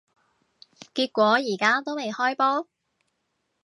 結果而家都未開波